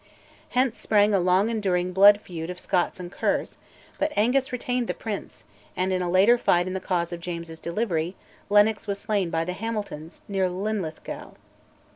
Hence sprang a long enduring blood feud of Scotts and Kers; but Angus retained the prince, and in a later fight in the cause of James's delivery, Lennox was slain by the Hamiltons, near Linlithgow.